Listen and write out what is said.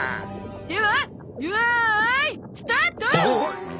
では用意スタート！